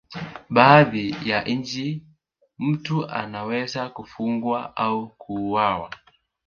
baadhi ya nchi mtu anaweza kufungwa au kuuawa